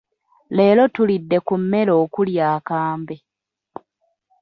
Leero tulidde ku mmere okuli akambe.